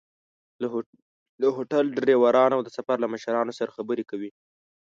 له هوټل، ډریورانو او د سفر له مشرانو سره خبرې کوي.